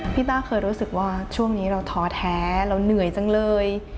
ต้าเคยรู้สึกว่าช่วงนี้เราท้อแท้เราเหนื่อยจังเลย